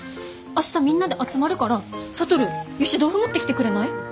明日みんなで集まるから智ゆし豆腐持ってきてくれない？